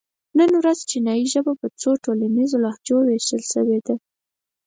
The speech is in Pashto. نن ورځ چینایي ژبه په څو ټولنیزو لهجو وېشل شوې ده.